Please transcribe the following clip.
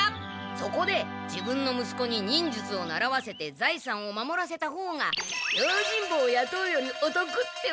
そこで自分の息子に忍術を習わせて財産を守らせたほうが用心棒をやとうよりお得ってわけだ。